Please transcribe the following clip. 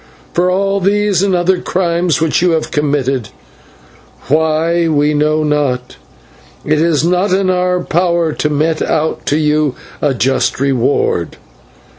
For all these and other crimes which you have committed why we know not it is not in our power to mete out to you a just reward.